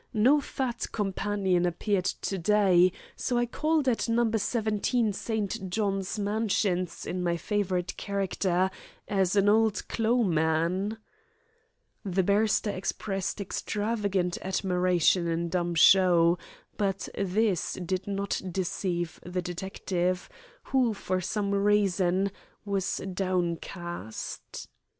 No fat companion appeared to day, so I called at No. 17 St. John's Mansions in my favourite character as an old clo' man." The barrister expressed extravagant admiration in dumb show, but this did not deceive the detective, who, for some reason, was downcast.